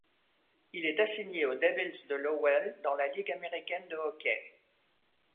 Il est assigné aux Devils de Lowell dans la Ligue américaine de hockey.